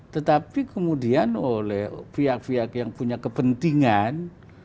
tetapi kemudian oleh pihak pihak yang punya kepentingan